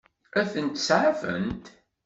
Ad tent-seɛfent?